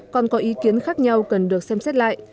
còn có ý kiến khác nhau cần được xem xét lại